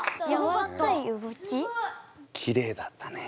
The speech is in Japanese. きれいだったね。